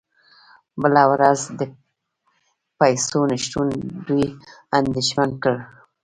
بله ورځ د پیسو نشتون دوی اندیښمن کړل